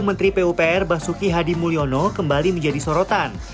menteri pupr basuki hadi mulyono kembali menjadi sorotan